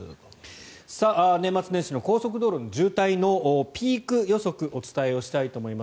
年末年始の高速道路の渋滞のピーク予測をお伝えしたいと思います。